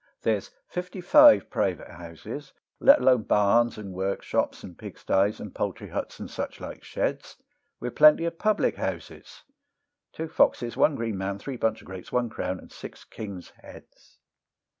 There's fifty five private houses, let alone barns and workshops, and pigsties, and poultry huts, and such like sheds, With plenty of public houses two Foxes, one Green Man, three Bunch of Grapes, one Crown, and six King's Heads.